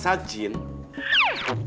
semua jenis jin akan tersedot